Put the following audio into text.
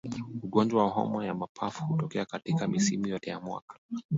Ugonjwa wa homa ya mapafu hutokea katika misimu yote ya mwaka